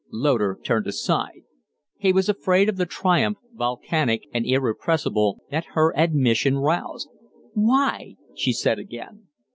Loder turned aside. He was afraid of the triumph, volcanic and irrepressible, that her admission roused. "Why?" she said again.